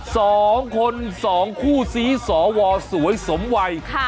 สองคนสองคู่ซีสอวอสวยสมวัยค่ะ